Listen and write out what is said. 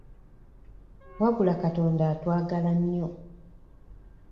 Wabula Katonda atwagala nnyo.